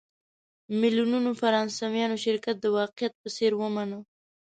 میلیونونو فرانسویانو شرکت د واقعیت په څېر ومانه.